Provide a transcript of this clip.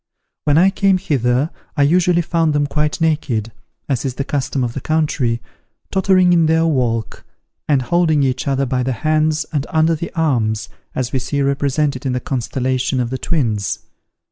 When I came hither, I usually found them quite naked, as is the custom of the country, tottering in their walk, and holding each other by the hands and under the arms, as we see represented in the constellation of the Twins.